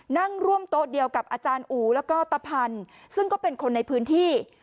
นั่งร่วมโต๊ะเดียวกับอาจารย์อู๋แล้วก็ตะพันธ์ซึ่งก็เป็นคนในพื้นที่